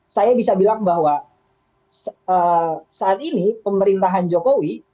saya bisa bilang bahwa saat ini pemerintahan jokowi